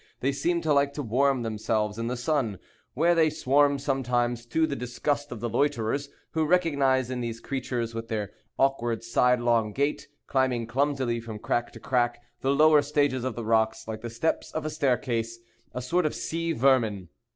They seem to like to warm themselves in the sun, where they swarm sometimes to the disgust of the loiterers, who recognize in these creatures, with their awkward sidelong gait, climbing clumsily from crack to crack the lower stages of the rocks like the steps of a staircase, a sort of sea vermin.